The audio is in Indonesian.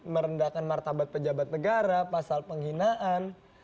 merendahkan martabat pejabat negara pasal penghinaan